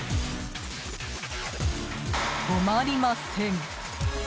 止まりません。